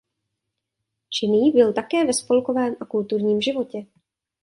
Činný byl také ve spolkovém a kulturním životě.